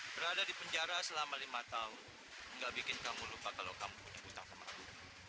berada di penjara selama lima tahun nggak bikin kamu lupa kalau kamu punya buntah kemana